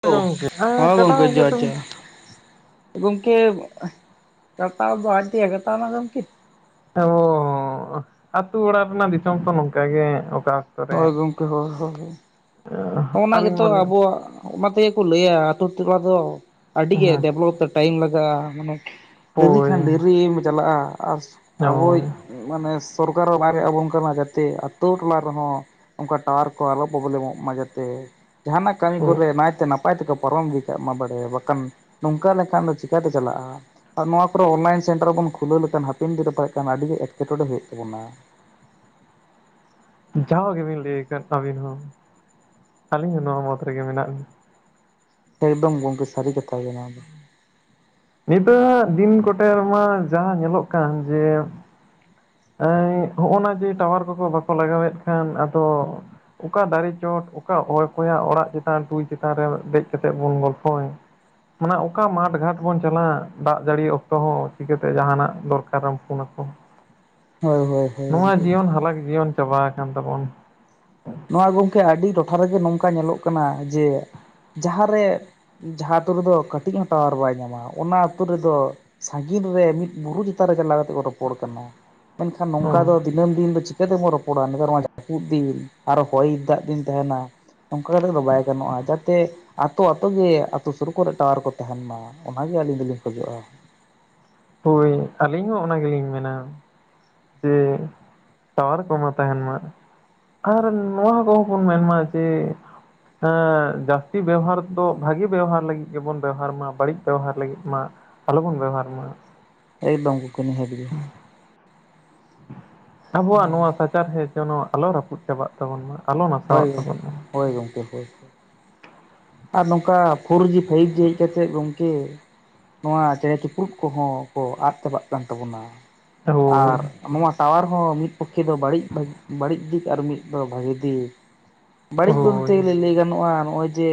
ᱜᱚᱝᱠᱮ ᱦᱮᱞᱳ, ᱦᱮᱸ ᱜᱚᱢᱠᱮ ᱠᱟᱴᱟᱣ ᱜᱮ ᱡᱚᱦᱟᱨ ᱛᱚᱵᱮ ᱡᱚᱦᱟᱨ᱾ ᱜᱚᱢᱠᱮ ᱠᱟᱴᱟᱣ ᱫᱚ ᱟᱡ ᱛᱮᱜᱮ ᱠᱟᱴᱟᱣ ᱱᱟ ᱜᱚᱢᱠᱮ᱾ [inaudible] ᱟᱹᱛᱳ ᱚᱲᱟᱜ ᱨᱮᱱᱟᱜ ᱫᱤᱥᱚᱢ ᱛᱚ ᱱᱚᱝᱠᱟ ᱜᱮ᱾ ᱚᱠᱟ ᱨᱮ ᱦᱚᱳᱭ ᱜᱚᱢᱠᱮ ᱦᱚᱭ ᱦᱚᱭ᱾ ᱚᱱᱟ ᱟᱹᱞᱤᱧ ᱜᱮᱛᱚ ᱢᱟᱞᱤᱧ ᱟᱵᱚᱣᱟᱜ ᱚᱱᱟ ᱛᱮᱜᱮ ᱠᱚ ᱞᱟᱹᱭᱟ ᱟᱹᱛᱩ ᱴᱚᱞᱟ ᱫᱚ ᱟᱹᱰᱤ ᱜᱮ ᱦᱮᱸ ᱰᱮᱵᱷᱞᱚᱯ ᱛᱮ ᱴᱟᱭᱤᱢ ᱞᱟᱜᱟᱜᱼᱟ ᱾ ᱢᱟᱱᱮ ᱰᱮᱨᱤ ᱦᱳᱭ ᱠᱷᱟᱱ ᱰᱨᱤᱢ ᱪᱟᱞᱟᱜᱼᱟ ᱟᱨ ᱟᱵᱚᱭᱤᱡ ᱢᱟᱱᱮ ᱥᱚᱨᱠᱟᱨᱟᱜ ᱦᱚᱸ ᱵᱟᱭ ᱠᱚᱭᱜ ᱟᱵᱚᱱ ᱠᱟᱱᱟ ᱡᱟᱛᱮ ᱟᱛᱳ ᱴᱚᱞᱟ ᱨᱮᱦᱚᱸ ᱚᱱᱠᱟ ᱴᱟᱣᱟᱨ ᱠᱚ ᱟᱞᱚ ᱯᱨᱚᱵᱞᱮᱢᱚᱜ ᱢᱟ ᱡᱟᱛᱮ, ᱡᱟᱦᱟᱱᱟᱜ ᱠᱟᱹᱢᱤ ᱠᱚᱨᱮ ᱱᱟᱭᱛᱮ ᱱᱟᱯᱟᱭ ᱱᱟᱯᱟᱭ ᱛᱮᱠᱚ ᱯᱟᱨᱚᱢ ᱤᱫᱤ ᱠᱟᱜ ᱢᱟ ᱵᱟᱲᱮ, ᱵᱟᱠᱷᱟᱱ ᱱᱚᱝᱠᱟ ᱞᱮᱠᱷᱟᱱ ᱫᱚ ᱪᱤᱠᱟᱛᱮ ᱪᱟᱞᱟᱜᱼᱟ ᱾ ᱟᱨ ᱱᱚᱣᱟ ᱠᱚᱨᱮ ᱚᱱᱞᱟᱭᱤᱱ ᱥᱮᱱᱴᱟᱨ ᱵᱚᱱ ᱠᱷᱩᱞᱟᱹᱣ ᱞᱮᱠᱷᱟᱱ ᱦᱟᱹᱯᱤᱱ ᱫᱤᱱ ᱨᱮ ᱯᱟᱞᱮ ᱡᱩᱫᱤ ᱟᱹᱰᱤ ᱜᱮ ᱮᱴᱠᱮᱴᱚᱬᱮ ᱦᱩᱭᱩᱜ ᱛᱟᱵᱚᱱᱟ ᱾ ᱡᱟᱣ ᱜᱮᱵᱤᱱ ᱞᱟᱹᱭ ᱟᱠᱟᱫ ᱟᱹᱵᱤᱱ ᱦᱚᱸ, ᱟᱹᱞᱤᱧ ᱦᱚᱸ ᱱᱚᱣᱟ ᱢᱚᱛ ᱨᱮᱜᱮ ᱢᱮᱱᱟᱜ ᱞᱤᱧᱼᱟ ᱾ ᱮᱠᱫᱚᱢ ᱜᱚᱢᱠᱮ ᱥᱟᱹᱨᱤ ᱠᱟᱛᱷᱟ ᱜᱮ ᱱᱚᱣᱟ ᱫᱚ ᱾ ᱱᱤᱛᱚᱜ ᱫᱤᱱ ᱠᱚᱴᱮ ᱢᱟ ᱡᱟᱸᱦᱟᱸ ᱧᱮᱞᱚᱜ ᱠᱟᱱ ᱡᱮ [inaudible] ᱦᱚᱜᱼᱚ ᱱᱟ ᱡᱮ ᱴᱟᱣᱟᱨ ᱠᱚᱠᱚ ᱵᱟᱠᱚ ᱞᱟᱜᱟᱣᱮᱫ ᱠᱷᱟᱱ ᱟᱫᱚ ᱚᱠᱟ ᱫᱟᱨᱮ ᱪᱚᱴ ᱚᱠᱟ ᱚᱠᱚᱭ ᱠᱚᱭᱟᱜ ᱚᱲᱟᱜ ᱪᱮᱛᱟᱱ ᱴᱩᱭ ᱪᱮᱛᱟᱱ ᱨᱮ ᱫᱮᱡ ᱠᱟᱛᱮᱫ ᱵᱚᱱ ᱜᱚᱞᱯᱷᱚᱭᱟ ᱾ ᱢᱟᱱᱮ ᱚᱠᱟ ᱢᱟᱴᱷ ᱜᱷᱟᱴ ᱵᱚᱱ ᱪᱟᱞᱟᱜᱼᱟ, ᱫᱟᱜ ᱡᱟᱹᱲᱤ ᱚᱠᱛᱚ ᱦᱚᱸ ᱪᱤᱠᱟᱹᱛᱮ ᱡᱟᱦᱟᱱᱟᱜ ᱫᱚᱨᱠᱟᱨᱮᱢ ᱯᱷᱳᱱ ᱟᱠᱚ ᱾ ᱦᱳᱭ ᱦᱳᱭ ᱱᱚᱣᱟ ᱜᱚᱢᱠᱮ ᱡᱤᱭᱚᱱ ᱦᱟᱞᱟᱠ ᱡᱤᱭᱚᱱ ᱪᱟᱵᱟ ᱟᱠᱟᱱ ᱛᱟᱵᱚᱱ ᱾ ᱱᱚᱣᱟ ᱜᱚᱢᱠᱮ ᱟᱹᱰᱤ ᱴᱚᱴᱷᱟ ᱨᱮᱜᱮ ᱱᱚᱝᱠᱟ ᱧᱮᱞᱚᱜ ᱠᱟᱱᱟ ᱾ ᱡᱮ ᱡᱟᱸᱦᱟ ᱨᱮ ᱡᱟᱸᱦᱟᱸ ᱟᱛᱩ ᱨᱮᱫᱚ ᱠᱟᱹᱴᱤᱡ ᱦᱚᱸ ᱴᱟᱣᱟᱨ ᱵᱟᱭ ᱧᱟᱢᱟ ᱚᱱᱟ ᱟᱹᱛᱩ ᱨᱮᱫᱚ ᱥᱟᱺᱜᱤᱧ ᱨᱮ ᱢᱤᱫ ᱵᱩᱨᱩ ᱪᱮᱛᱟᱱ ᱨᱮ ᱪᱟᱞᱟᱣ ᱠᱟᱛᱮᱫ ᱠᱚ ᱨᱚᱯᱚᱲ ᱠᱟᱱᱟ ᱾ ᱢᱮᱱᱠᱷᱟᱱ ᱱᱚᱝᱠᱟ ᱦᱚᱸ ᱫᱚ ᱫᱤᱱᱟᱹᱢ ᱫᱤᱱ ᱫᱚ ᱪᱤᱠᱟᱹ ᱛᱮᱵᱚᱱ ᱨᱚᱯᱚᱲᱟ ᱱᱮᱛᱟᱨ ᱢᱟ ᱡᱟᱹᱯᱩᱫ ᱫᱤᱱ ᱾ ᱟᱨᱚ ᱦᱚᱭ ᱫᱟᱜ ᱫᱤᱱ ᱛᱟᱦᱮᱱᱟ ᱱᱚᱝᱠᱟ ᱠᱟᱛᱮ ᱫᱚ ᱵᱟᱭ ᱜᱟᱱᱚᱜᱼᱟ᱾ ᱡᱟᱛᱮ ᱟᱛᱳ ᱟᱛᱳ ᱜᱮ ᱟᱹᱛᱩ ᱥᱩᱨ ᱠᱚᱨᱮ ᱴᱟᱣᱟᱨ ᱠᱚ ᱛᱟᱦᱮᱱ ᱢᱟ ᱚᱱᱟᱜᱮ ᱟᱹᱞᱤᱧ ᱫᱚᱞᱤᱧ ᱠᱷᱚᱡᱚᱜᱼᱟ ᱾ ᱦᱳᱭ ᱟᱹᱞᱤᱧ ᱦᱚᱸ ᱚᱱᱟ ᱜᱮᱞᱤᱧ ᱢᱮᱱᱟ ᱾ ᱡᱮ ᱴᱟᱣᱟᱨ ᱠᱚᱢᱟ ᱛᱟᱦᱮᱱ ᱢᱟ ᱾ ᱟᱨ ᱱᱚᱣᱟ ᱠᱚᱦᱚᱸ ᱵᱚᱱ ᱢᱮᱱᱢᱟ ᱡᱮ ᱡᱟᱹᱥᱛᱤ ᱵᱮᱣᱦᱟᱨ ᱫᱚ ᱵᱷᱟᱜᱮ ᱵᱮᱵᱦᱟᱨ ᱞᱟᱹᱜᱤᱫ ᱜᱮᱵᱚᱱ ᱵᱮᱣᱦᱟᱨ ᱢᱟ, ᱵᱟᱹᱲᱤᱡ ᱵᱮᱣᱦᱟᱨ ᱞᱟᱹᱜᱤᱫ ᱢᱟ ᱟᱞᱚ ᱵᱚᱱ ᱵᱮᱦᱟᱨ ᱢᱟ ᱾ ᱮᱠᱫᱚᱢ ᱜᱚᱢᱠᱮ ᱱᱤᱦᱟ. ᱛ ᱜᱮ ᱾ ᱟᱵᱚᱣᱟᱜ ᱱᱚᱣᱟ ᱥᱟᱪᱟᱨᱦᱮᱫ ᱡᱮᱱᱚ ᱟᱞᱚ ᱨᱟᱹᱯᱩᱫ ᱪᱟᱵᱟᱜ ᱛᱟᱵᱚᱱ ᱢᱟ, ᱟᱞᱚ ᱱᱟᱥᱟᱣᱟᱜ ᱦᱳᱭ ᱜᱚᱢᱠᱮ ᱛᱟᱵᱚᱱ ᱢᱟ ᱾ ᱦᱳᱭ ᱜᱚᱢᱠᱮ ᱦᱳᱭ᱾ ᱟᱨ ᱱᱚᱝᱠᱟ ᱯᱷᱳᱨ ᱡᱤ ᱯᱷᱟᱭᱤᱵ ᱡᱤ ᱦᱮᱡ ᱠᱟᱛᱮᱫ ᱜᱚᱝᱠᱮ ᱱᱚᱣᱟ ᱪᱮᱬᱮ ᱪᱤᱯᱨᱩᱫ ᱠᱚᱦᱚᱸ ᱠᱚ ᱟᱫ ᱪᱟᱵᱟᱜ ᱠᱟᱱ ᱛᱟᱵᱚᱱᱟ ᱾ ᱦᱳᱭ ᱟᱨ ᱱᱚᱣᱟ ᱴᱟᱣᱟᱨ ᱦᱚᱸ ᱢᱤᱫ ᱯᱚᱠᱠᱷᱮ ᱫᱚ ᱵᱟᱹᱲᱤᱡ ᱵᱟᱹᱲᱤᱡ ᱫᱤᱠ ᱟᱨ ᱢᱤᱫ ᱫᱚ ᱵᱷᱟᱜᱤ ᱫᱤᱠ ᱵᱟᱹᱲᱤᱡ ᱠᱚ ᱦᱳᱭ ᱛᱮᱜᱮᱞᱮ ᱞᱟᱹᱭ ᱜᱟᱱᱚᱜᱼᱟ ᱾ ᱱᱚᱜᱼᱚᱭ ᱡᱮ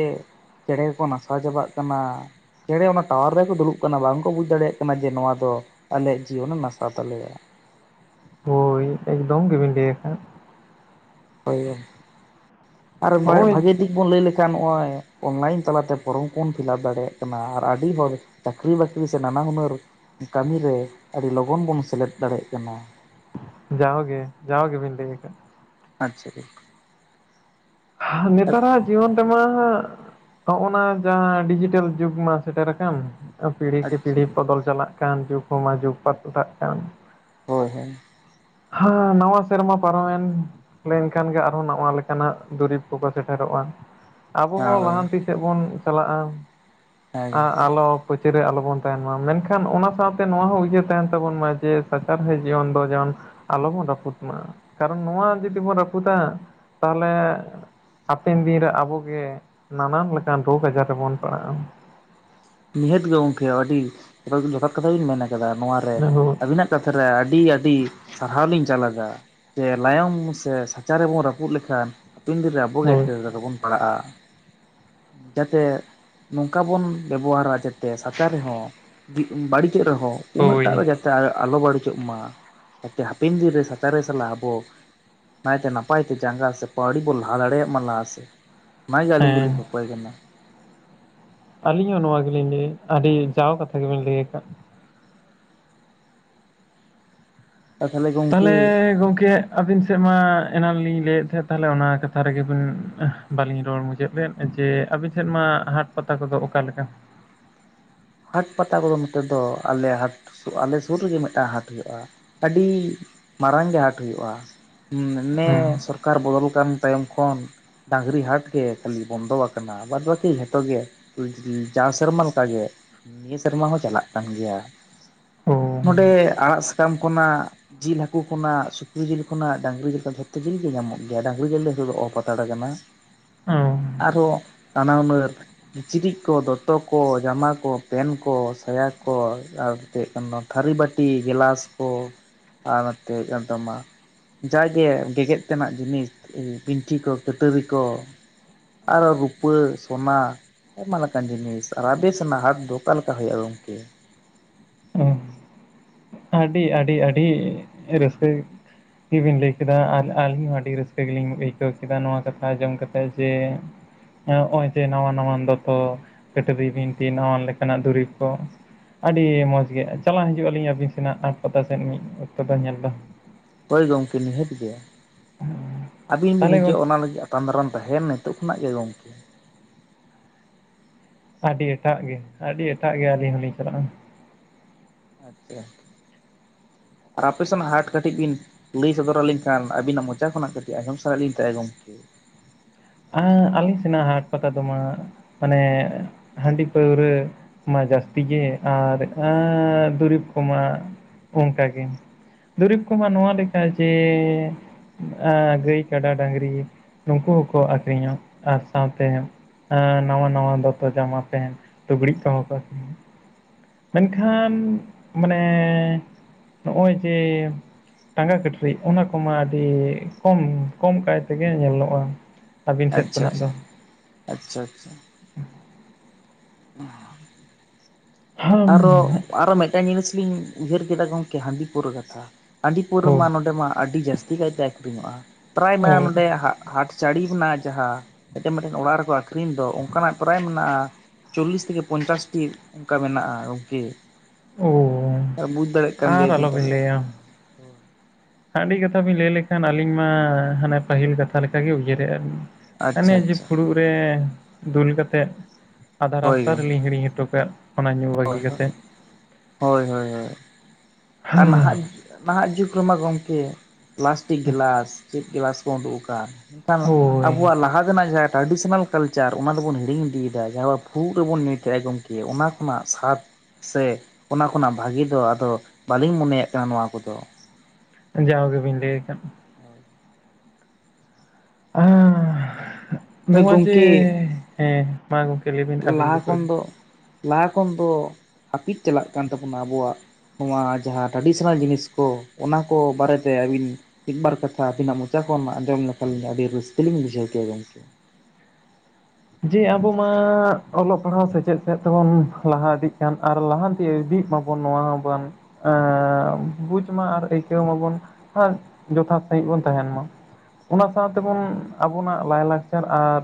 ᱪᱮᱬᱮ ᱠᱚ ᱠᱚ ᱱᱟᱥᱟᱣ ᱪᱟᱵᱟᱜ ᱠᱟᱱᱟ ᱾ ᱪᱮᱬᱮ ᱚᱱᱟ ᱴᱟᱣᱟᱨ ᱨᱮᱠᱚ ᱫᱩᱲᱩᱵ ᱠᱟᱱᱟ ᱵᱟᱝ ᱠᱚ ᱵᱩᱡ ᱫᱟᱲᱮᱭᱟᱜ ᱠᱟᱱᱟ, ᱡᱮ ᱱᱚᱣᱟ ᱫᱚ ᱟᱞᱮᱭᱟᱜ ᱡᱤᱭᱚᱱᱮ ᱱᱟᱥᱟᱣ ᱛᱟᱞᱮᱭᱟ ᱾ ᱦᱳᱭ ᱮᱠᱫᱚᱢ ᱜᱮᱵᱤᱱ ᱞᱟᱹᱭ ᱟᱠᱟᱫ ᱾ ᱦᱚᱭ [inaudible] ᱟᱨ ᱦᱚᱜᱼᱚᱭ ᱵᱷᱟᱜᱤ ᱫᱤᱠ ᱵᱚᱱ ᱞᱟᱹᱭ ᱞᱮᱠᱷᱟᱱ ᱱᱚᱜᱼᱚᱭ, ᱚᱱᱞᱟᱭᱤᱱ ᱛᱟᱞᱟᱛᱮ ᱯᱷᱚᱨᱚᱢ ᱵᱚᱱ ᱯᱷᱤᱞᱟᱯ ᱫᱟᱲᱮᱭᱟᱜ ᱠᱟᱱᱟ ᱟᱨ ᱟᱹᱰᱤ ᱦᱚᱲ ᱪᱟᱹᱠᱨᱤ ᱵᱟᱹᱠᱨᱤ ᱥᱮ ᱱᱟᱱᱟ ᱦᱩᱱᱟᱹᱨ ᱠᱟᱹᱢᱤᱨᱮ ᱟᱹᱰᱤ ᱞᱚᱜᱚᱱ ᱵᱚᱱ ᱥᱮᱞᱮᱫ ᱫᱟᱲᱮᱭᱟᱜ ᱠᱟᱱᱟ ᱾ ᱡᱟᱶᱜᱮ ᱡᱟᱶ ᱜᱮᱵᱤᱱ ᱞᱟᱹᱭ ᱟᱠᱟᱫ ᱾ [unintelligible] ᱱᱮᱛᱟᱨ ᱟᱜ ᱡᱤᱭᱚᱱ ᱨᱮᱢᱟ ᱦᱚᱜᱱᱟ ᱡᱟᱦᱟᱸ ᱰᱤᱡᱤᱴᱮᱞ ᱡᱩᱜᱽ ᱢᱟ ᱥᱮᱴᱮᱨ ᱟᱠᱟᱱ ᱾ ᱯᱤᱲᱦᱤ ᱠᱮ ᱟᱪᱪᱷᱟ ᱯᱤᱲᱦᱤ ᱵᱚᱫᱚᱞ ᱪᱟᱞᱟᱜ ᱠᱟᱱ ᱡᱩᱜᱽ ᱠᱚᱢᱟ ᱡᱩᱜᱽ ᱵᱟᱛᱴᱟᱜ ᱠᱟᱱ ᱾ ᱦᱳᱭ ᱦᱳᱭ ᱾ ᱦᱮᱸ ᱱᱟᱣᱟ ᱥᱮᱨᱢᱟ ᱯᱟᱨᱚᱢᱮᱱ ᱞᱮᱱᱠᱷᱟᱱ ᱜᱮ ᱟᱨᱦᱚᱸ ᱱᱟᱣᱟ ᱞᱮᱠᱟᱱᱟᱜ ᱫᱩᱨᱤᱵᱽ ᱠᱚᱠᱚ ᱥᱮᱴᱮᱨᱚᱜ-ᱟ ᱟᱵᱚ ᱦᱚᱸ ᱦᱳᱭ ᱞᱟᱦᱟᱱᱛᱤ ᱥᱮᱫ ᱵᱚᱱ ᱪᱟᱞᱟᱜ-ᱟ ᱾ ᱦᱮᱸ ᱟᱸ ᱜᱚᱝᱠᱮ ᱟᱞᱳ ᱯᱟᱹᱪᱟᱹᱨᱮ ᱟᱞᱚᱵᱚᱱ ᱛᱟᱦᱮᱱ ᱢᱟ ᱢᱮᱱᱠᱷᱟᱱ ᱚᱱᱟ ᱥᱟᱶᱛᱮ ᱱᱚᱣᱟ ᱦᱚᱸ ᱩᱭᱦᱟᱹᱨ ᱛᱟᱦᱮᱱ ᱛᱟᱵᱚᱱ ᱢᱟ ᱡᱮ ᱥᱟᱪᱟᱨᱦᱮᱫ ᱡᱤᱭᱚᱱ ᱫᱚ ᱡᱮᱢᱚᱱ ᱟᱞᱚᱵᱚᱱ ᱨᱟᱹᱯᱩᱫ ᱢᱟ ᱠᱟᱨᱚᱱ ᱱᱚᱣᱟ ᱡᱩᱫᱤ ᱵᱚᱱ ᱨᱟᱹᱯᱩᱫᱟ ᱛᱟᱦᱚᱞᱮ ᱦᱟᱯᱮᱱ ᱫᱤᱱᱨᱮ ᱟᱵᱚᱜᱮ ᱱᱟᱱᱟᱱ ᱞᱮᱠᱟᱱ ᱨᱳᱜᱽ ᱟᱡᱟᱨ ᱨᱮᱵᱚᱱ ᱯᱟᱲᱟᱜ-ᱟ᱾ ᱱᱤᱦᱟᱹᱛ ᱜᱮ ᱜᱚᱢᱠᱮ ᱟᱹᱰᱤ ᱡᱚᱛᱷᱟᱛ ᱠᱟᱛᱷᱟ ᱵᱤᱱ ᱢᱮᱱ ᱟᱠᱟᱫᱟ ᱱᱚᱣᱟ ᱨᱮ ᱦᱳᱭ ᱟᱵᱤᱱᱟᱜ ᱠᱟᱛᱷᱟ ᱨᱮ ᱟᱹᱰᱤ ᱟᱹᱰᱤ ᱥᱟᱨᱦᱟᱣ ᱞᱤᱧ ᱪᱟᱞ ᱟᱫᱟ ᱾ ᱡᱮ ᱞᱟᱭᱚᱝ ᱥᱮ ᱥᱟᱪᱟ ᱨᱮ ᱵᱚᱱ ᱨᱟᱹᱯᱩᱫ ᱞᱮᱠᱷᱟᱱ ᱦᱟᱯᱮᱱ ᱫᱤᱱ ᱨᱮ ᱟᱵᱚ ᱟᱵᱚᱜᱤ ᱦᱳᱭ ᱮᱴᱠᱮᱴᱚᱬᱮ ᱨᱮᱵᱚᱱ ᱯᱟᱲᱟᱜ-ᱟ, ᱡᱟᱛᱮ ᱱᱚᱝᱠᱟ ᱵᱚᱱ ᱵᱮᱵᱚᱦᱟᱨᱟ ᱡᱟᱛᱮ ᱥᱟᱪᱟ ᱨᱮᱦᱚᱸ ᱵᱟᱹᱲᱤᱡᱚᱜ ᱨᱮᱦᱚᱸ ᱩᱱᱟᱹᱜ ᱦᱳᱭ ᱴᱟᱜᱨᱮ ᱡᱟᱛᱮ ᱟᱞᱚ ᱵᱟᱹᱲᱤᱡᱚᱜ ᱢᱟ᱾ ᱡᱟᱛᱮ ᱦᱟᱯᱮᱱ ᱫᱤᱱᱨᱮ ᱥᱟᱪᱟᱨᱮ ᱥᱟᱞᱟᱜ ᱟᱵᱚ ᱱᱟᱭᱛᱮ ᱱᱟᱯᱟᱭ ᱛᱮ ᱡᱟᱸᱜᱟ ᱥᱮ ᱯᱟᱣᱰᱤ ᱵᱚᱱ ᱞᱟᱦᱟ ᱫᱟᱲᱮᱭᱟᱜ ᱢᱟ ᱞᱟᱦᱟ ᱥᱮᱱ ᱚᱱᱟᱜᱮ ᱟᱹᱞᱤᱧ ᱦᱮᱸ ᱫᱚᱞᱤᱧ ᱠᱷᱚᱠᱚᱭ ᱠᱟᱱᱟ᱾ ᱟᱹᱞᱤᱧ ᱦᱚᱸ ᱱᱚᱣᱟ ᱜᱮᱞᱤᱧ ᱞᱟᱹᱭ, ᱟᱹᱰᱤ ᱡᱟᱣ ᱠᱟᱛᱷᱟ ᱜᱮᱵᱮᱱ ᱞᱟᱹᱭ ᱟᱠᱟᱫ ᱾ ᱟᱨ ᱜᱚᱝᱠᱮ ᱛᱟᱦᱚᱞᱮ ᱜᱚᱢᱠᱮ ᱟᱹᱵᱤᱱ ᱥᱮᱫ ᱢᱟ ᱮᱱᱟᱱᱞᱤᱧ ᱞᱟᱹᱭᱮᱫ ᱛᱟᱦᱮᱸᱫ ᱛᱟᱦᱚᱞᱮ ᱚᱱᱟ ᱠᱟᱛᱷᱟ ᱨᱮᱜᱮ ᱵᱤᱱ ᱵᱟᱞᱤᱧ ᱨᱚᱲ ᱢᱩᱪᱟᱹᱫ ᱞᱮᱫ ᱾ ᱡᱮ ᱟᱵᱤᱱ ᱥᱮᱫ ᱢᱟ ᱦᱟᱴ ᱯᱟᱛᱟ ᱠᱚᱫᱚ ᱚᱠᱟ ᱞᱮᱠᱟ? ᱦᱟᱴ ᱯᱟᱛᱟ ᱠᱚᱫᱚ ᱱᱚᱛᱮ ᱫᱚ ᱟᱞᱮ ᱦᱟᱴ ᱟᱞᱮ ᱥᱩᱨ ᱨᱮᱜᱮ ᱢᱤᱫᱴᱟᱝ ᱦᱟᱴ ᱦᱩᱭᱩᱜ-ᱟ᱾ ᱟᱹᱰᱤ ᱢᱟᱨᱟᱝ ᱜᱮ ᱦᱟᱴ ᱦᱩᱭᱩᱜ-ᱟ, ᱱᱮ ᱦᱮᱸ ᱥᱚᱨᱠᱟᱨ ᱥᱚᱨᱠᱟᱨ ᱵᱚᱫᱚᱞ ᱟᱠᱟᱱ ᱛᱟᱭᱚᱢ ᱠᱷᱚᱱ ᱰᱟᱝᱨᱤ ᱦᱟᱴ ᱜᱮ ᱠᱷᱟᱹᱞᱤ ᱵᱚᱱᱫᱚ ᱟᱠᱟᱱᱟ, ᱵᱟᱫ ᱵᱟᱹᱠᱤ ᱡᱷᱚᱛᱚ ᱜᱮ ᱡᱟᱣ ᱥᱮᱨᱢᱟ ᱞᱮᱠᱟᱜᱮ ᱱᱤᱭᱟᱹ ᱥᱮᱨᱢᱟ ᱦᱚᱸ ᱪᱟᱞᱟᱜ ᱠᱟᱱ ᱜᱮᱭᱟ, ᱚ ᱱᱚᱰᱮ ᱟᱲᱟᱜ ᱥᱟᱠᱟᱢ ᱠᱷᱚᱱᱟᱜ ᱡᱤᱞ ᱦᱟᱹᱠᱩ ᱠᱷᱱᱟᱜ ᱥᱩᱠᱨᱤ ᱡᱤᱞ ᱠᱷᱚᱱᱟᱜ ᱰᱟᱝᱨᱤ ᱡᱤᱞ ᱠᱚ ᱡᱷᱚᱛᱚ ᱡᱤᱞ ᱜᱮ ᱧᱟᱢᱚᱜ ᱜᱮᱭᱟ, ᱰᱟᱝᱨᱤ ᱡᱤᱞ ᱫᱚ ᱱᱤᱛᱚᱜ ᱫᱚ ᱚᱯ ᱦᱟᱛᱟᱲ ᱠᱟᱱᱟ ᱾ ᱚ ᱟᱨᱚ ᱱᱟᱱᱟ ᱦᱩᱱᱟᱹᱨ ᱠᱤᱪᱨᱤᱡ ᱠᱚ ᱫᱚᱛᱚ ᱠᱚ ᱡᱟᱢᱟ ᱠᱚ ᱯᱮᱱ ᱠᱚ ᱥᱟᱭᱟ ᱠᱚ ᱟᱨ ᱪᱮᱫ ᱠᱟᱱᱟ ᱛᱷᱟᱹᱨᱤ ᱵᱟᱹᱴᱤ ᱜᱞᱟᱥ ᱠᱚ ᱟᱨ ᱱᱚᱛᱮ ᱦᱩᱭᱩᱜ ᱠᱟᱱ ᱛᱟᱢᱟ ᱡᱟᱭᱜᱮ ᱜᱮᱜᱮᱫ ᱛᱮᱱᱟᱜ ᱡᱤᱱᱤᱥ ᱯᱤᱱᱴᱷᱤ ᱠᱚ ᱠᱟᱹᱴᱟᱹᱨᱤ ᱠᱚ ᱟᱨ ᱨᱩᱯᱟᱹ ᱥᱳᱱᱟ ᱟᱭᱢᱟ ᱞᱮᱠᱟᱱ ᱡᱤᱱᱤᱥ, ᱟᱨ ᱟᱯᱮ ᱥᱮᱱᱟᱜ ᱦᱟᱴ ᱫᱚ? ᱚᱠᱟ ᱞᱮᱠᱟ ᱦᱩᱭᱩᱜ-ᱟ ᱜᱚᱢᱠᱮ? ᱟᱹᱰᱤ ᱟᱹᱰᱤ ᱟᱹᱰᱤ ᱨᱟᱹᱥᱠᱟᱹ ᱜᱮ ᱜᱮᱵᱤᱱ ᱞᱟᱹᱭ ᱠᱮᱫᱟ ᱟᱨ ᱟᱹᱞᱤᱧ ᱦᱚᱸ ᱟᱹᱰᱤ ᱨᱟᱹᱥᱠᱟᱹ ᱜᱮᱞᱤᱧ ᱟᱹᱭᱠᱟᱹᱣ ᱠᱮᱫᱟ ᱱᱚᱣᱟ ᱠᱟᱛᱷᱟ ᱟᱸᱡᱚᱢ ᱠᱟᱛᱮᱜ ᱡᱮ ᱮᱸ ᱱᱚᱜ-ᱚᱭ ᱡᱮ ᱱᱟᱣᱟ ᱱᱟᱣᱟ ᱫᱚᱛᱚ ᱠᱟᱹᱴᱟᱹᱨᱤ ᱵᱤᱱᱴᱷᱤ ᱱᱟᱣᱟᱱ ᱞᱮᱠᱟᱱᱟᱜ ᱫᱩᱨᱤᱵ ᱠᱚ ᱟᱹᱰᱤ ᱢᱚᱡᱽ ᱜᱮ, ᱪᱟᱞᱟᱣ ᱦᱤᱡᱩᱜ ᱟᱹᱞᱤᱧ ᱟᱹᱵᱤᱱ ᱥᱮᱱᱟᱜ ᱦᱟᱴ ᱯᱟᱛᱟ ᱥᱮᱫ ᱢᱤᱫ ᱚᱠᱛᱚ ᱫᱚ ᱧᱮᱞ ᱫᱚ ᱦᱳᱭ ᱜᱚᱢᱠᱮ ᱱᱤᱦᱟᱹᱛ ᱜᱮ, ᱟᱹᱵᱤᱱ ᱵᱤᱱ ᱛᱟᱦᱚᱞᱮ ᱦᱤᱡᱩᱜ-ᱟ ᱜᱚᱝᱠᱮ ᱚᱱᱟ ᱞᱟᱹᱜᱤᱫ ᱟᱛᱟᱝ ᱫᱟᱨᱟᱢ ᱛᱟᱦᱮᱱ ᱢᱮ ᱱᱤᱛᱚᱜ ᱠᱷᱚᱱᱟᱜ ᱜᱮ ᱜᱚᱢᱠᱮ ᱾ ᱟᱹᱰᱤ ᱮᱴᱟᱜ ᱜᱮ, ᱟᱹᱰᱤ ᱮᱴᱟᱜ ᱜᱮ ᱟᱹᱞᱤᱧ ᱦᱚᱞᱤᱧ ᱥᱮᱱᱚᱜ-ᱟ᱾ ᱟᱪᱪᱷᱟ ᱟᱨ ᱟᱯᱮ ᱥᱮᱱᱟᱜ ᱦᱟᱴ ᱠᱟᱹᱴᱤᱡ ᱵᱤᱱ ᱞᱟᱹᱭ ᱥᱚᱫᱚᱨ ᱟᱹᱞᱤᱧ ᱠᱷᱟᱱ ᱟᱹᱵᱤᱱᱟᱜ ᱢᱚᱪᱟ ᱠᱷᱚᱱᱟᱜ ᱠᱟᱹᱴᱤᱡ ᱟᱸᱡᱚᱢ ᱥᱟᱱᱟᱭᱮᱫ ᱞᱤᱧ ᱛᱟᱦᱮᱫ ᱜᱚᱝᱠᱮ᱾ ᱟ ᱟᱹᱞᱤᱧ ᱥᱮᱱᱟᱜ ᱦᱟᱴ ᱯᱟᱛᱟ ᱫᱚᱢᱟ ᱢᱟᱱᱮ ᱦᱟᱺᱰᱤ ᱯᱟᱹᱣᱨᱟᱹ ᱢᱟ ᱡᱟᱹᱥᱛᱤ ᱜᱮ ᱟᱨ ᱫᱩᱨᱤᱵᱽ ᱠᱚᱢᱟ ᱚᱱᱠᱟᱜᱮ᱾ ᱫᱩᱨᱤᱵᱽ ᱠᱚᱢᱟ ᱱᱚᱣᱟ ᱞᱮᱠᱟ ᱡᱮ ᱟ ᱜᱟᱹᱭ ᱠᱟᱰᱟ ᱰᱟᱝᱨᱤ ᱱᱩᱠᱩ ᱦᱚᱸᱠᱚ ᱟᱠᱷᱨᱤᱧᱚᱜ ᱟᱨ ᱥᱟᱶᱛᱮ ᱮᱸᱻ ᱱᱟᱣᱟ ᱱᱟᱣᱟ ᱫᱚᱛᱚ ᱡᱟᱢᱟ ᱯᱮᱱᱴ ᱞᱩᱜᱽᱲᱤᱡ ᱠᱚᱦᱚ ᱠᱚ ᱢᱮᱱᱠᱷᱟᱱ ᱢᱟᱱᱮ ᱱᱚᱜᱚᱭ ᱡᱮ ᱴᱟᱸᱜᱟ ᱠᱟᱴᱨᱤ ᱚᱱᱟ ᱠᱚᱢᱟ ᱟᱹᱰᱤ ᱠᱚᱢ ᱠᱚᱢ ᱠᱟᱭ ᱛᱮᱜᱮ ᱧᱮᱞᱚᱜᱼᱟ᱾ ᱟᱹᱵᱤᱱ ᱥᱮᱫ ᱟᱪᱪᱷᱟ ᱠᱷᱚᱱᱟᱜ ᱪᱪᱪᱷᱟ ᱫᱚ ᱟᱪᱪᱷᱟ ᱟᱪᱪᱷᱟ ᱚᱦ ᱳ, ᱟᱨᱚ ᱟᱨᱚ ᱢᱤᱫᱴᱟᱱ ᱡᱤᱱᱤᱥ ᱞᱤᱧ ᱩᱭᱦᱟᱹᱨ ᱠᱮᱫᱟ ᱜᱚᱝᱠᱮ ᱦᱟᱺᱰᱤ ᱯᱟᱹᱣᱨᱟᱹ ᱠᱟᱛᱷᱟ ᱦᱟᱺᱰᱤ ᱯᱟᱹᱣᱨᱟᱹᱢᱟ ᱱᱚᱰᱮ ᱢᱟ ᱟᱹᱰᱤ ᱡᱟᱹᱥᱛᱤ ᱠᱟᱭᱛᱮ ᱟᱹᱷᱨᱤᱧᱚᱜᱼᱟ ᱯᱨᱟᱭᱢᱟ ᱳ, ᱱᱚᱰᱮ ᱦᱟᱜ ᱦᱟᱴ ᱪᱟᱹᱲᱤ ᱢᱮᱱᱟᱜᱼᱟ ᱡᱟᱦᱟᱸ ᱢᱤᱫᱴᱮᱱ ᱚᱲᱟᱜ ᱨᱮᱠᱚ ᱟᱠᱷᱨᱤᱧ ᱫᱚ ᱚᱱᱠᱟᱱᱟᱜ ᱯᱨᱟᱭ ᱢᱮᱱᱟᱜᱼᱟ ᱪᱚᱞᱞᱤᱥ ᱛᱷᱮᱠᱮ ᱯᱚᱧᱪᱟᱥᱴᱤ ᱚᱱᱠᱟ ᱢᱮᱱᱟᱜᱼᱟ ᱜᱚᱝᱠᱮ᱾ ᱳ, ᱟᱨ ᱵᱩᱡᱽ ᱫᱟᱲᱮᱭᱟᱜ ᱠᱟᱱ ᱟᱨ ᱜᱮᱭᱟᱵᱤᱱ ᱟᱞᱚᱵᱤᱱ ᱛᱟᱦᱞᱮ ᱞᱟᱹᱭᱟ᱾ ᱦᱟᱺᱰᱤ ᱠᱟᱛᱷᱟ ᱵᱤᱱ ᱞᱟᱹᱭ ᱞᱮᱠᱷᱟᱱ ᱟᱹᱞᱤᱧ ᱢᱟ ᱦᱟᱱᱮ ᱯᱟᱹᱦᱤᱞ ᱠᱟᱛᱷᱟ ᱞᱮᱠᱟᱜᱮ ᱩᱭᱦᱟᱹᱨ ᱦᱮᱡ ᱟᱞᱤᱧ᱾ ᱟᱪᱪᱷᱟ ᱦᱟᱱᱮ ᱡᱮ ᱟᱪᱪᱷᱟ ᱯᱷᱩᱲᱩᱜ ᱨᱮ ᱫᱩᱞ ᱠᱟᱛᱮᱫ ᱟᱫᱷᱟ ᱦᱳᱭ ᱨᱟᱥᱛᱟ ᱜᱚᱢᱠᱮ ᱨᱮᱞᱤᱧ ᱦᱤᱲᱤᱧ ᱦᱚᱴᱚ ᱠᱮᱜ ᱚᱱᱟ ᱧᱩ ᱵᱟᱹᱜᱤ ᱦᱳᱭ ᱠᱟᱛᱮᱫ ᱾ ᱦᱳᱭ ᱦᱳᱭ ᱦᱳᱭ ᱟᱨ ᱱᱟᱦᱟᱜ ᱱᱟᱦᱟᱜ ᱡᱩᱜᱽ ᱨᱮᱢᱟ ᱜᱚᱝᱠᱮ ᱯᱞᱟᱥᱴᱤᱠ ᱜᱮᱞᱟᱥ ᱪᱮᱫ ᱜᱞᱟᱥ ᱠᱚ ᱩᱰᱩᱠ ᱟᱠᱟᱱ ᱦᱳᱭ, [unintelligible] ᱵᱚᱣᱟᱜ ᱞᱟᱦᱟ ᱛᱮᱱᱟᱜ ᱡᱟᱦᱟᱸ ᱴᱨᱟᱰᱤᱥᱚᱱᱟᱞ ᱠᱟᱞᱪᱟᱨ ᱚᱱᱟ ᱫᱚᱵᱚᱱ ᱦᱤᱲᱤᱧ ᱤᱫᱤᱭᱮᱫᱟ ᱡᱟᱦᱟᱸ ᱯᱷᱩᱲᱩᱜ ᱨᱮᱵᱚᱱ ᱧᱩᱭᱮᱫ ᱛᱟᱸᱦᱮᱱ ᱜᱚᱝᱠᱮ ᱡᱮ ᱚᱱᱟ ᱠᱷᱚᱱᱟᱜ ᱥᱟᱫ ᱥᱮ ᱚᱱᱟ ᱠᱷᱚᱱᱟᱜ ᱵᱷᱟᱜᱤ ᱫᱚ ᱟᱫᱚ ᱵᱟᱹᱞᱤᱧ ᱢᱚᱱᱮᱭᱟᱜ ᱠᱟᱱᱟ ᱱᱚᱣᱟ ᱠᱚᱫᱚ᱾ ᱡᱟᱣ ᱜᱮᱵᱤᱱ ᱞᱟ. ᱭᱮᱫ ᱠᱟᱜ ᱦ [inaudible] ᱟ ᱦᱳᱭ ᱱᱚᱣᱟ ᱡᱮ ᱜᱚᱢᱠᱮ ᱦᱮᱸ ᱢᱟ ᱜᱚᱝᱠᱮ ᱞᱟᱹᱭ ᱵᱤᱱ ᱟᱹᱵᱤᱱ ᱞᱟᱦᱟ ᱜᱮ ᱯᱟᱦᱤᱞ ᱠᱷᱚᱱ ᱫᱚ ᱞᱟᱦᱟ ᱠᱷᱚᱱ ᱫᱚ ᱦᱟᱹᱯᱤᱫ ᱪᱟᱞᱟᱜ ᱠᱟᱱ ᱛᱟᱵᱚᱱᱟ ᱟᱵᱚᱣᱟᱜ ᱱᱚᱣᱟ ᱡᱟᱦᱟᱸ ᱴᱨᱟᱰᱤᱥᱚᱱᱟᱞ ᱡᱤᱱᱤᱥ ᱠᱚ ᱚᱱᱟ ᱠᱚ ᱵᱟᱨᱮᱛᱮ ᱟᱹᱵᱤᱱ ᱢᱤᱫᱼᱵᱟᱨ ᱠᱟᱛᱷᱟ ᱟᱹᱵᱤᱱᱟᱜ ᱢᱚᱪᱟ ᱠᱷᱚᱱ ᱟᱡᱚᱢ ᱞᱮᱠᱷᱟᱱ ᱟᱹᱰᱤ ᱨᱟᱹᱥᱠᱟᱹ ᱞᱤᱧ ᱵᱩᱡᱷᱟᱹᱣ ᱠᱮᱭᱟ ᱜᱚᱝᱠᱮ ᱡᱮ ᱟᱵᱚ ᱢᱟ ᱚᱞᱚᱜ ᱯᱟᱲᱦᱟᱣ ᱥᱮᱪᱮᱫ ᱥᱮᱫ ᱛᱮᱵᱚᱱ ᱞᱟᱦᱟ ᱤᱫᱤᱜ ᱠᱟᱱ ᱟᱨ ᱞᱟᱦᱟ ᱤᱫᱤᱜ ᱢᱟᱵᱚᱱ ᱱᱚᱣᱟ ᱦᱚ ᱵᱟᱱ ᱮ ᱵᱩᱡᱽ ᱢᱟ ᱟᱨ ᱟᱹᱭᱠᱟᱹᱣ ᱢᱟᱵᱚᱱ ᱟᱨ ᱡᱚᱛᱷᱟᱛ ᱥᱟᱸᱦᱤᱡ ᱵᱚᱱ ᱛᱟᱦᱮᱱ ᱢᱟ᱾ ᱚᱱᱟ ᱥᱟᱶᱛᱮᱵᱚᱱ ᱟᱵᱚᱱᱟᱜ ᱞᱟᱭᱼᱞᱟᱠᱪᱟᱨ ᱟᱨ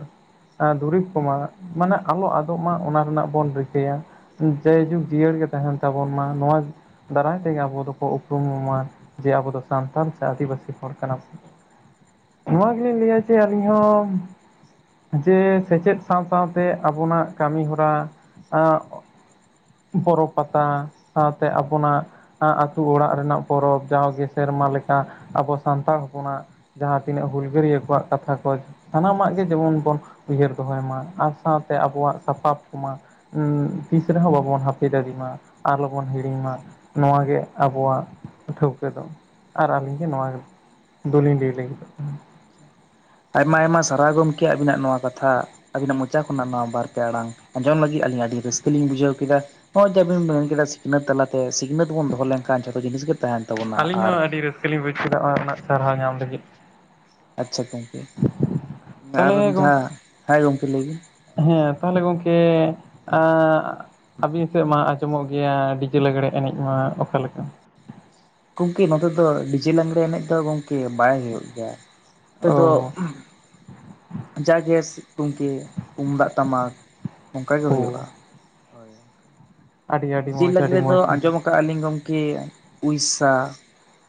ᱟ ᱫᱩᱨᱤᱵᱽ ᱠᱚᱢᱟ ᱢᱟᱱᱮ ᱟᱞᱚ ᱟᱫᱚᱜ ᱢᱟ ᱚᱱᱟ ᱨᱮᱱᱟᱜ ᱵᱚᱱ ᱨᱤᱠᱟᱹᱭᱟ᱾ ᱡᱟᱭᱡᱩᱜᱽ ᱡᱤᱭᱟᱹᱲ ᱜᱮ ᱛᱟᱦᱮᱱ ᱛᱟᱵᱚᱱ ᱢᱟ ᱱᱚᱣᱟ ᱫᱟᱨᱟᱭ ᱛᱮᱜᱮ ᱟᱵᱚ ᱫᱚᱠᱚ ᱩᱯᱨᱩᱢ ᱢᱟ ᱡᱮ ᱟᱵᱚ ᱫᱚ ᱥᱟᱱᱛᱟᱲ ᱥᱮ ᱟᱹᱫᱤᱵᱟᱹᱥᱤ ᱦᱚᱲ ᱠᱟᱱᱟ ᱱᱚᱣᱟ ᱜᱮᱞᱤᱧ ᱞᱟᱹᱭᱟ ᱡᱮ ᱟᱹᱞᱤᱧ ᱦᱚᱸ ᱡᱮ ᱥᱮᱪᱮᱫ ᱥᱟᱶ ᱥᱟᱶᱛᱮ ᱟᱵᱚᱱᱟᱜ ᱠᱟᱹᱢᱤ ᱦᱚᱨᱟ ᱟ ᱵᱚᱨᱚ ᱯᱟᱛᱟ ᱥᱟᱶᱛᱮ ᱟᱵᱚᱱᱟᱜ ᱟᱛᱩ ᱚᱲᱟᱜ ᱨᱮᱱᱟᱜ ᱯᱚᱨᱚᱵᱽ ᱡᱟᱣᱜᱮ ᱥᱮᱨᱢᱟ ᱞᱮᱠᱟ ᱟᱵᱚ ᱥᱟᱱᱛᱟᱲ ᱦᱚᱯᱚᱱᱟᱜ ᱡᱟᱦᱟᱸ ᱛᱤᱱᱟᱹᱜ ᱦᱩᱞᱜᱟᱹᱨᱭᱟᱹ ᱠᱚᱣᱟᱜ ᱠᱟᱛᱷᱟ ᱠᱚ ᱥᱟᱱᱟᱢᱟᱜ ᱜᱮ ᱡᱮᱢᱚᱱ ᱵᱚᱱ ᱩᱭᱦᱟᱹᱨ ᱫᱚᱦᱚᱭ ᱢᱟ ᱟᱨ ᱥᱟᱶᱛᱮ ᱟᱵᱚᱣᱟᱜ ᱥᱟᱯᱟᱵ ᱠᱚᱢᱟ ᱩ ᱛᱤᱥ ᱨᱮᱦᱚᱸ ᱵᱟᱵᱚᱱ ᱦᱟᱯᱤ ᱫᱟᱲᱤ ᱢᱟ ᱟᱞᱚᱵᱚᱱ ᱦᱤᱲᱤᱧ ᱢᱟ ᱱᱚᱣᱟᱜᱮ ᱟᱵᱚᱣᱟᱜ ᱴᱷᱟᱹᱣᱠᱟᱹ ᱫᱚ ᱟᱨ ᱟᱹᱞᱤᱧ ᱜᱮ ᱱᱚᱣᱟ ᱫᱚᱞᱤᱧ ᱞᱟ. ᱭ ᱞᱟᱜᱤᱫᱚᱜ ᱠᱟᱱᱟ᱾ ᱟᱭᱢᱟ ᱟᱭᱢᱟ ᱥᱟᱨᱦᱟᱣ ᱜᱚᱝᱠᱮ ᱟᱵᱤᱱᱟᱜ ᱱᱚᱣᱟ ᱠᱟᱛᱷᱟ। ᱟᱹᱵᱤᱱᱟᱜ ᱢᱚᱪᱟ ᱠᱷᱚᱱᱟᱜ ᱱᱚᱣᱟ ᱵᱟᱨ ᱯᱮ ᱟᱲᱟᱝ ᱟᱸᱡᱚᱢ ᱞᱟᱹᱜᱤᱫ, ᱟᱹᱞᱤᱧ ᱟᱹᱰᱤ ᱨᱟᱹᱥᱠᱟᱹ ᱞᱤᱧ ᱵᱩᱡᱷᱟᱹᱣ ᱠᱮᱫᱟ। ᱦᱚᱜᱼᱚᱭ ᱡᱮ ᱟᱵᱮᱱ ᱵᱮᱱᱼ ᱢᱮᱱ ᱠᱮᱫᱟ, ᱥᱤᱠᱷᱱᱟᱹᱛ ᱛᱟᱞᱟᱛᱮ ᱥᱤᱠᱷᱱᱟᱹᱛ ᱵᱚᱱ ᱫᱚᱦᱚ ᱞᱮᱱᱠᱷᱟᱱ ᱡᱷᱚᱛᱚ ᱡᱤᱱᱤᱥ ᱜᱮ ᱛᱟᱦᱮᱱ ᱛᱟᱵᱚᱱᱟ᱾ ᱟᱨ ᱠᱩᱥᱤᱞᱤᱧ ᱵᱩᱡ ᱠᱮᱫᱟ, ᱚᱱᱟ ᱨᱮᱱᱟᱜ ᱥᱟᱨᱦᱟᱣ ᱧᱟᱢ ᱞᱟᱹᱜᱤᱫ᱾ ᱟᱪᱪᱷᱟ ᱜᱚᱝᱠᱮ, ᱟᱨ ᱛᱟᱦᱚᱞᱮ ᱜᱚᱝᱠᱮ ᱡᱟᱦᱟᱸ ᱦᱮᱸ ᱜᱚᱝᱠᱮ ᱞᱟᱹᱭ ᱵᱤᱱ᱾ ᱦᱮᱸ ᱛᱟᱦᱚᱞᱮ ᱜᱚᱝᱠᱮ ᱟᱸ ᱟᱹᱵᱤᱱ ᱥᱮᱫ ᱢᱟ ᱟᱸᱡᱚᱢᱚᱜ ᱜᱮᱭᱟ, ᱰᱤᱡᱮ ᱞᱟᱜᱽᱲᱮ ᱮᱱᱮᱡ ᱢᱟ ᱚᱠᱟᱞᱮᱠᱟ? ᱜᱚᱝᱠᱮ ᱱᱚᱛᱮ ᱫᱚ, ᱰᱤᱡᱮ ᱞᱟᱸᱜᱽᱬᱮ ᱮᱱᱮᱡ ᱫᱚ ᱜᱚᱝᱠᱮ ᱵᱟᱭ ᱦᱳᱭᱳᱜ ᱜᱮᱭᱟ ᱾ ᱱᱚᱛᱮ ᱫᱚᱼᱼ ᱚ ᱡᱟ ᱜᱮ ᱥᱤᱛᱩᱝ ᱠᱮᱫ ᱛᱩᱢᱫᱟᱜ ᱴᱟᱢᱟᱠ ᱚᱝᱠᱟ ᱜᱮ ᱚ ᱦᱳᱭᱳᱜᱼᱟ ᱾ ᱦᱳᱭ [inaudible] ᱟᱹᱰᱤ ᱟᱹᱰᱤ ᱰᱤᱡᱮ ᱢᱚᱡᱽ ᱟᱹᱰᱤ ᱞᱟᱸᱜᱽᱲᱮ ᱫᱚ ᱢᱚᱡᱽ ᱟᱸᱡᱚᱢᱚᱜᱼᱼ ᱠᱟᱜᱼᱟ ᱞᱤᱧ ᱜᱚᱝᱠᱮ ᱩᱲᱤᱥᱥᱟ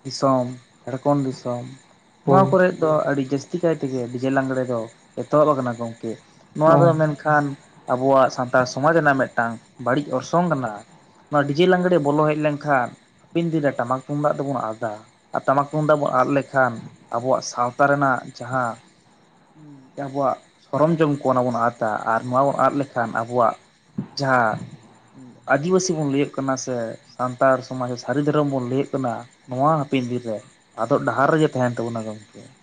ᱫᱤᱥᱚᱢ, ᱡᱷᱟᱲᱠᱷᱚᱸᱰ ᱫᱤᱥᱚᱢ ᱾ ᱱᱚᱣᱟ ᱦᱳᱭ ᱠᱚᱨᱮᱫ ᱫᱚ ᱟᱹᱰᱤ ᱡᱟᱹᱥᱛᱤ ᱠᱟᱭ ᱛᱮᱜᱮ ᱰᱤᱡᱮ ᱞᱟᱸᱜᱽᱲᱮ ᱫᱚ, ᱮᱛᱚᱦᱚᱵ ᱟᱠᱟᱱᱟ ᱜᱚᱝᱠᱮ ᱾ ᱱᱚᱣᱟ ᱫᱚ ᱚ ᱢᱮᱱᱠᱷᱟᱱ ᱟᱵᱚᱣᱟᱜ ᱥᱟᱱᱛᱟᱲ ᱥᱚᱢᱟᱡᱽ ᱨᱮᱱᱟᱜ ᱢᱤᱫᱴᱟᱝ, ᱵᱟᱹᱲᱤᱡ ᱚᱨᱥᱚᱝ ᱠᱟᱱᱟ ᱾ ᱱᱚᱣᱟ ᱰᱤᱡᱮ ᱞᱟᱜᱜᱽᱬᱮ ᱵᱚᱞᱚ ᱦᱮᱡ ᱞᱮᱱᱠᱷᱟᱱ, ᱦᱟᱯᱮᱱ ᱫᱤᱱ ᱨᱮ ᱴᱟᱢᱟᱠ ᱛᱩᱢᱫᱟᱜ ᱫᱚᱵᱚᱱ ᱟᱫᱟ᱾ ᱟᱨ ᱴᱟᱢᱟᱠ ᱛᱩᱢᱫᱟᱜ ᱵᱚᱱ ᱟᱫ ᱞᱮᱠᱷᱟᱱ, ᱟᱵᱚᱣᱟᱜ ᱥᱟᱶᱛᱟ ᱨᱮᱱᱟᱜ ᱡᱟᱦᱟᱸᱼᱼ ᱟᱵᱚᱣᱟᱜ ᱥᱚᱨᱚᱢ ᱡᱚᱢ ᱠᱚ ᱚᱱᱟ ᱵᱚᱱ ᱟᱫᱟ, ᱟᱨ ᱱᱚᱣᱟ ᱵᱚᱱ ᱟᱫ ᱞᱮᱠᱷᱟᱱ ᱟᱵᱚᱣᱟᱜ ᱼᱼ ᱡᱟᱦᱟᱸ ᱟᱹᱫᱤᱵᱟᱹᱥᱤ ᱵᱚᱱ ᱞᱟᱹᱭᱟᱹᱜ ᱠᱟᱱᱟ ᱥᱮ, ᱥᱟᱱᱛᱟᱲ ᱥᱚᱢᱟᱡᱽ ᱥᱟᱹᱨᱤ ᱫᱷᱚᱨᱚᱢ ᱵᱚᱱ ᱞᱟᱹᱭᱟᱹᱜ ᱠᱟᱱᱟᱼᱼ ᱱᱚᱣᱟ ᱦᱟᱯᱤᱱ ᱫᱤᱱ ᱨᱮ, ᱟᱫᱚᱜ ᱰᱟᱦᱟᱨ ᱨᱮᱜᱮ ᱛᱟᱦᱮᱱ ᱛᱟᱵᱩᱱᱟ ᱜᱚᱝᱠᱮ ᱾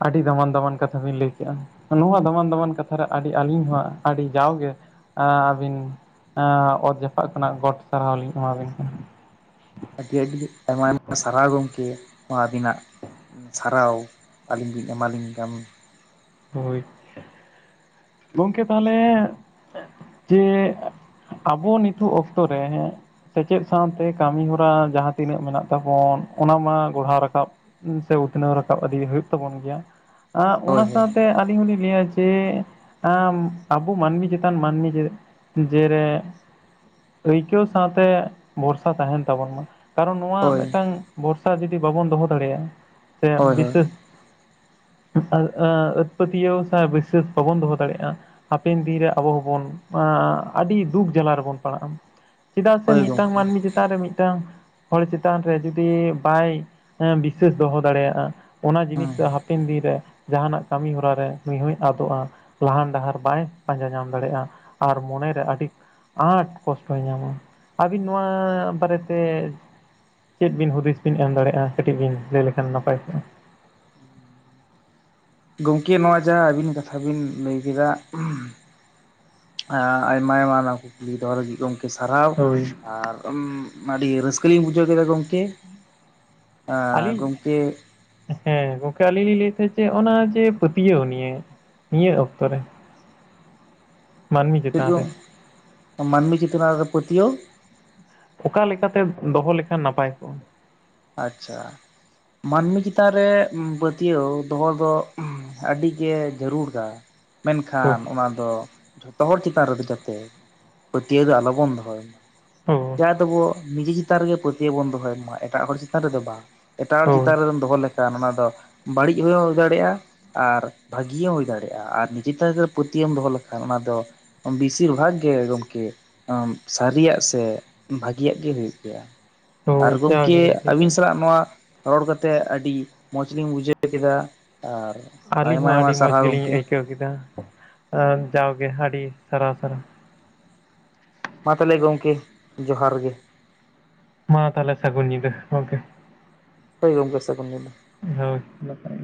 ᱟᱹᱰᱤ ᱫᱟᱢᱟᱱ-ᱫᱟᱢᱟᱱ ᱠᱟᱛᱷᱟ ᱵᱤᱱ ᱞᱟᱹᱭ ᱠᱮᱜᱼᱟ ᱾ ᱱᱚᱣᱟ ᱫᱚᱟᱢᱟᱱ-ᱫᱟᱢᱟᱱ ᱠᱟᱛᱷᱟ ᱨᱮ, ᱟᱹᱰᱤ ᱟᱹᱞᱤᱧ ᱦᱚᱸ ᱟᱹᱰᱤ ᱡᱟᱣᱜᱮ ᱟᱹᱵᱤᱱ ᱚᱛ ᱡᱟᱯᱟᱜ ᱠᱷᱚᱱᱟᱜ, ᱜᱚᱴ ᱥᱟᱨᱦᱟᱣ ᱞᱤᱧ ᱮᱢᱟᱵᱤᱱ ᱠᱟᱱᱟ ᱾ ᱟᱹᱰᱤ ᱟᱹᱰᱤ ᱟᱭᱢᱟ ᱟᱭᱢᱟ ᱥᱟᱨᱦᱟᱣ ᱜᱚᱢᱠᱮ, ᱱᱚᱣᱟ ᱟᱹᱵᱤᱱᱟᱜ ᱾ ᱥᱟᱨᱦᱟᱣ ᱟᱹᱞᱤᱧ ᱵᱤᱱ ᱮᱟᱞᱤᱧ ᱠᱟᱱ ᱾ ᱦᱳᱭ, ᱜᱚᱝᱠᱮ ᱛᱟᱦᱚᱞᱮ ᱡᱮ ᱟᱵᱚ ᱱᱤᱛᱚᱜ ᱚᱠᱛᱚ ᱨᱮ ᱥᱮᱪᱮᱫ ᱥᱟᱶᱛᱮ ᱠᱟᱹᱢᱤ ᱦᱚᱨᱟ, ᱡᱟᱦᱟᱸ ᱛᱤᱱᱟᱹᱜ ᱢᱮᱱᱟᱜ ᱛᱟᱵᱚᱱ ᱚᱱᱟ ᱢᱟ ᱜᱚᱲᱦᱟᱣ ᱨᱟᱠᱟᱵ ᱥᱮ ᱩᱛᱱᱟᱹᱣ ᱨᱟᱠᱟᱵ ᱤᱫᱤ ᱦᱳᱭᱳᱜ ᱛᱟᱵᱚᱱ ᱜᱮᱭᱟ᱾ ᱚᱱᱟ ᱦᱳᱭ ᱦᱳᱭ ᱜᱚᱝᱠᱮ ᱟᱹᱞᱤᱧ ᱦᱚᱞᱤᱧ ᱞᱟᱹᱭᱟ ᱡᱮ, ᱟᱵᱚ ᱢᱟᱹᱱᱢᱤ ᱪᱮᱛᱟᱱ ᱢᱟᱹᱱᱢᱤ ᱡᱮ ᱨᱮ ᱟᱹᱭᱠᱟᱹᱣ ᱥᱟᱶᱛᱮ ᱵᱷᱚᱨᱥᱟ ᱛᱟᱦᱮᱱ ᱛᱟᱵᱚᱱ ᱢᱟ ᱾ ᱠᱟᱨᱚᱱ ᱱᱚᱣᱟ ᱦᱳᱭ ᱢᱤᱫᱴᱟᱝ, ᱵᱚᱨᱥᱟ ᱡᱚᱫᱤ ᱵᱟᱵᱚᱱ ᱫᱚᱦᱚ ᱫᱟᱲᱮᱭᱟᱜᱼᱟ ᱾ ᱥᱮ ᱦᱳᱭ ᱦᱳᱭ ᱵᱤᱥᱟᱹᱥ ᱾ ᱟ ᱯᱟᱹᱛᱭᱟᱹᱣ ᱥᱮ ᱵᱤᱥᱟᱹᱥ ᱵᱟᱵᱚᱱ ᱫᱚᱦᱚ ᱫᱟᱲᱮᱜᱼᱟ ᱾ ᱦᱟᱯᱮᱱ ᱫᱤᱱᱨᱮ ᱟᱵᱚ ᱦᱚᱸᱵᱚᱱ, ᱟᱹᱰᱤ ᱫᱩᱠ ᱡᱟᱞᱟ ᱨᱮᱵᱚᱱ ᱯᱟᱲᱟᱜᱼᱟ ᱾ ᱪᱮᱫᱟᱜ ᱥᱮ ᱦᱳᱭ ᱢᱤᱫᱴᱟᱝ ᱜᱚᱢᱠᱮ ᱢᱟᱹᱱᱢᱤ ᱡᱮ ᱪᱮᱛᱟᱱ ᱨᱮ ᱢᱤᱫᱴᱟᱝ ᱦᱚᱲ ᱪᱮᱛᱟᱱ ᱨᱮ, ᱡᱩᱫᱤ ᱵᱟᱭ ᱵᱤᱥᱟᱹᱥ ᱫᱚᱦᱚ ᱫᱟᱲᱮᱭᱟᱜᱼᱟ ᱾ ᱚᱱᱟ ᱡᱤᱱᱤᱥ ᱦᱮᱸ ᱫᱚ, ᱦᱟᱯᱮᱱ ᱫᱤᱱ ᱨᱮ ᱡᱟᱦᱟᱱᱟᱜ ᱠᱟᱹᱢᱤ ᱦᱚᱨᱟ ᱨᱮ ᱱᱩᱭ ᱦᱚᱭ ᱟᱫᱚᱜᱼᱟ, ᱞᱟᱦᱟᱱ ᱰᱟᱦᱟᱨ ᱵᱟᱭ ᱯᱟᱸᱡᱟ ᱧᱟᱢ ᱫᱟᱲᱮᱭᱟᱜᱼᱟ ᱾ ᱟᱨ ᱢᱚᱱᱮᱨᱮ ᱟᱹᱰᱤ ᱟᱸᱴ ᱠᱚᱥᱴᱚᱭ ᱧᱟᱢᱟ᱾ ᱟᱹᱵᱤᱱ ᱱᱚᱣᱟ ᱵᱟᱨᱮᱛᱮ ᱪᱮᱫ ᱵᱤᱱ ᱦᱩᱫᱤᱥ ᱵᱤᱱ ᱮᱢ ᱫᱟᱲᱮᱭᱟᱜᱼᱟ, ᱠᱟᱹᱴᱤᱡ ᱵᱤᱱ ᱞᱟᱹᱭ ᱞᱮᱠᱷᱟᱱ ᱱᱟᱯᱟᱭ ᱠᱚᱜᱼᱟ ᱾ [inaudible] ᱜᱚᱢᱠᱮ ᱱᱚᱣᱟ ᱡᱟᱦᱟᱸ ᱟᱹᱵᱤᱱ ᱠᱟᱛᱷᱟ ᱵᱤᱱ ᱞᱟᱹᱭ ᱠᱮᱫᱟ ᱾ ᱟᱭᱢᱟ ᱟᱭᱢᱟ ᱱᱚᱣᱟ ᱠᱩᱠᱞᱤ ᱫᱚᱦᱚ ᱞᱟᱹᱜᱤᱫ ᱜᱚᱝᱠᱮ ᱥᱟᱨᱦᱟᱣ ᱦᱳᱭ ᱟᱨ ᱟᱹᱰᱤ ᱨᱟᱹᱥᱠᱟᱹ ᱞᱤᱧ ᱵᱩᱡᱷᱟᱹᱣ ᱠᱮᱫᱟ ᱜᱚᱢᱠᱮ ᱟᱨ ᱟᱹᱞᱤᱧ ᱜᱚᱢᱠᱮ ᱦᱮᱸ ᱜᱚᱝᱠᱮ ᱟᱹᱞᱤᱧ ᱞᱤᱧ ᱞᱟᱹᱭ ᱛᱟᱦᱮᱸᱫ ᱡᱮ ᱚᱱᱟ ᱡᱮ ᱯᱟᱹᱛᱭᱟᱹᱣ ᱱᱤᱭᱮ ᱱᱤᱭᱟᱹ ᱚᱠᱛᱚ ᱨᱮ ᱾ ᱪᱮᱫ ᱪᱮᱛᱟᱱ ᱨᱮ [unintelligible] ᱢᱟᱹᱱᱢᱤ ᱪᱮᱛᱟᱱᱟ ᱨᱮ ᱯᱟᱹᱛᱭᱟᱹᱣ ᱾ ᱚᱠᱟ ᱞᱮᱠᱟᱛᱮ ᱫᱚᱦᱚ ᱞᱮᱠᱷᱟᱱ ᱱᱟᱯᱟᱭ ᱠᱚᱜᱟ? ᱟᱪᱪᱷᱟ ᱢᱟᱹᱱᱢᱤ ᱪᱮᱛᱟᱱ ᱨᱮ ᱯᱟᱹᱛᱭᱟᱹᱣ ᱫᱚᱦᱚ ᱫᱚ ᱟᱹᱰᱤᱜᱮ ᱡᱟᱹᱨᱩᱲᱟ ᱢᱮᱱᱠᱷᱟᱱ ᱚᱱᱟ ᱫᱚ ᱡᱷᱚᱛᱚ ᱦᱚᱲ ᱪᱮᱛᱟᱱ ᱨᱮᱫᱚ ᱡᱟᱛᱮ ᱯᱟᱹᱛᱭᱟᱹᱣ ᱫᱚ ᱟᱞᱚᱵᱚᱱ ᱫᱚᱦᱚᱭ ᱢᱟ ᱦᱳᱭ ᱡᱟᱦᱟᱸ ᱫᱚᱵᱚ ᱱᱤᱡᱮ ᱪᱮᱛᱟᱱ ᱨᱮᱜᱮ ᱯᱟᱹᱛᱭᱟᱹᱣ ᱵᱚᱱ ᱫᱚᱦᱚᱭ ᱢᱟ ᱮᱴᱟᱜ ᱦᱚᱲ ᱪᱮᱛᱟᱱ ᱨᱮᱫᱚ ᱵᱟᱝ ᱮᱴᱟᱜ ᱦᱚᱲ ᱦᱳᱭ ᱪᱮᱛᱟᱱ ᱨᱮᱵᱚᱱ ᱫᱚᱦᱚ ᱞᱮᱠᱷᱟᱱ ᱠᱷᱟᱱ ᱚᱱᱟ ᱫᱚ ᱵᱟᱹᱲᱤᱡ ᱦᱚᱸ ᱦᱩᱭ ᱫᱟᱲᱮᱭᱟᱜᱼᱟ ᱾ ᱟᱨ ᱵᱷᱟᱹᱜᱮ ᱦᱩᱭ ᱫᱟᱲᱮᱭᱟᱜᱼᱟ ᱟᱨ ᱱᱤᱡᱮ ᱪᱮᱛᱟᱱ ᱨᱮ ᱯᱟᱹᱛᱭᱟᱹᱢ ᱫᱚᱦᱚ ᱞᱮᱠᱷᱟᱱ ᱚᱱᱟ ᱫᱚ ᱵᱤᱥᱤᱨ ᱵᱷᱟᱜ ᱜᱮ ᱜᱚᱢᱠᱮ ᱥᱟᱹᱨᱤᱭᱟᱜ ᱥᱮ ᱵᱷᱟᱜᱤᱭᱟᱜ ᱜᱮ ᱦᱩᱭᱩᱜ ᱜᱮᱭᱟ᱾ ᱟᱨ ᱦᱳᱭ ᱜᱚᱢᱠᱮ ᱡᱟᱜᱮᱵᱤᱱ ᱞᱟᱹᱭ ᱟᱹᱵᱤᱱ ᱠᱮᱫ ᱥᱟᱞᱟᱜ ᱱᱚᱣᱟ ᱨᱚᱲ ᱠᱟᱛᱮᱜ ᱟᱹᱰᱤ ᱢᱚᱸᱡᱽ ᱞᱤᱧ ᱵᱩᱡᱷᱟᱹᱣ ᱠᱮᱫᱟ ᱟᱨ ᱟᱹᱞᱤᱧ ᱟᱭᱢᱟ ᱦᱚᱸ ᱟᱹᱰᱤ ᱟᱭᱢᱟ ᱢᱚᱡᱽ ᱥᱟᱨᱦᱟᱣ ᱜᱮᱞᱤᱧ ᱜᱚᱢᱠᱮ ᱟᱹᱭᱠᱟᱹᱣ ᱠᱮᱫᱟ ᱡᱟᱣᱜᱮ ᱟᱹᱰᱤ ᱥᱟᱨᱦᱟᱣ ᱥᱟᱨᱦᱟᱣ ᱾ ᱢᱟ ᱛᱟᱦᱚᱞᱮ ᱜᱚᱢᱠᱮ ᱡᱚᱦᱟᱨ ᱜᱮ ᱾ ᱢᱟ ᱛᱟᱦᱚᱞᱮ ᱥᱟᱹᱜᱩᱱ ᱧᱤᱫᱟᱹ ᱜᱚᱝᱠᱮ ᱾ ᱦᱳᱭ ᱜᱚᱢᱠᱮ ᱥᱟᱹᱜᱩᱱ ᱧᱤᱫᱟᱹ ᱾ ᱦᱳᱭ ᱾